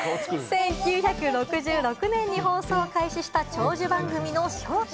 １９６６年に放送開始した、長寿番組の『笑点』。